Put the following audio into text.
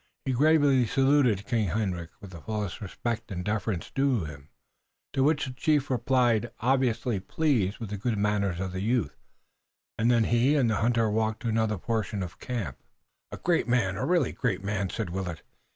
He gravely saluted King Hendrik with the full respect and deference due him, to which the chief replied, obviously pleased with the good manners of the youth, and then he and the hunter walked to another portion of the camp. "A great man, a really great man!" said Willet.